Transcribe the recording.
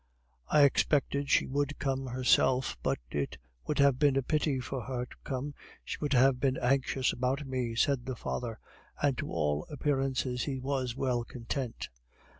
"I expected she would come herself; but it would have been a pity for her to come, she would have been anxious about me," said the father, and to all appearances he was well content.